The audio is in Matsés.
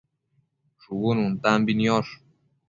shubu nuntambi niosh